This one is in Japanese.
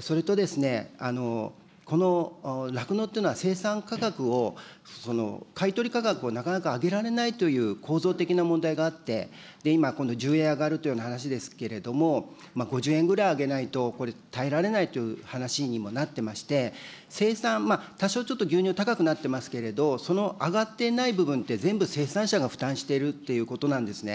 それと、この酪農っていうのは、生産価格を買い取り価格をなかなか上げられないという、構造的な問題があって、今、今度１０円上がるという話ですけれども、５０円ぐらい上げないと、これ、耐えられないという話にもなってまして、生産、多少ちょっと牛乳高くなってますけれども、その上がっていない部分って、全部生産者が負担しているということなんですね。